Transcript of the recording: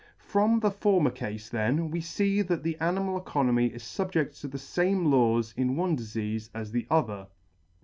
From the former Cafe, then, we fee that the animal economy is fubjedt to the fame laws in one difeafe as the other.